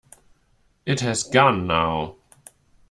It has gone now.